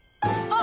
あ。